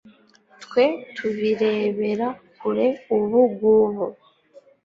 twe tubirebera kure ubugubu